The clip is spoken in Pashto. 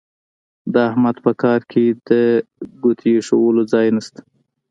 د احمد په کار کې د ګوتې اېښولو ځای نه شته.